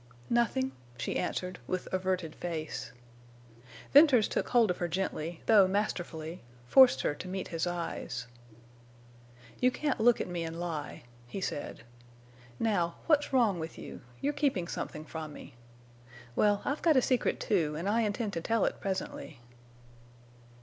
"Nothing," she answered, with averted face. Venters took hold of her gently, though masterfully, forced her to meet his eyes. "You can't look at me and lie," he said. "Now—what's wrong with you? You're keeping something from me. Well, I've got a secret, too, and I intend to tell it presently."